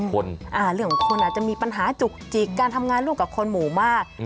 เรื่องของคนอาจจะมีปัญหาจุกจิกการทำงานร่วมกับคนหมู่มาก